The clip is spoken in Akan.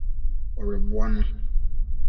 Ɔreboa no.